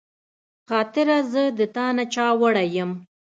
خاطره زه د تا نه چاوړی یم